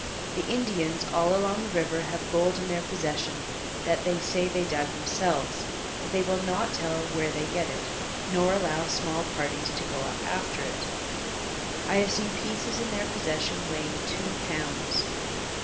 The Indians all along the river have gold in their possession that they say they dug themselves, but they will not tell where they get it, nor allow small parties to go up after it. I have seen pieces in their possession weighing two pounds.